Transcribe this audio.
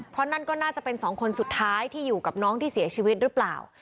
เพราะนั่นก็น่าจะเป็นสองคนสุดท้ายที่อยู่กับน้องที่เสียชีวิตหรือเปล่า